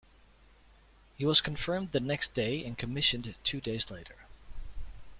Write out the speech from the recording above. He was confirmed the next day, and commissioned two days later.